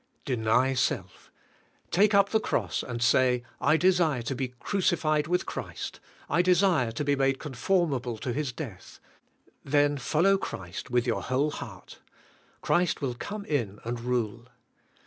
Deny self. Take up the cross and say, I desire to be crucified with Christ; I desire to be made conformable to His death," then follow Christ with your whole heart. Christ will come in and rule.